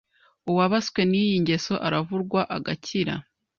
Uwabaswe n’iyi ngeso aravurwa agakira?